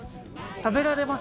食べられます。